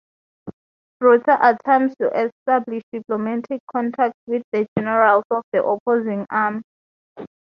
Brutha attempts to establish diplomatic contact with the generals of the opposing army.